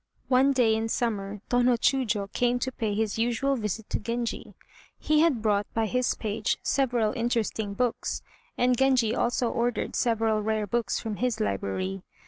One day in summer Tô no Chiûjiô came to pay his usual visit to Genji. He had brought by his page several interesting books, and Genji also ordered several rare books from his library.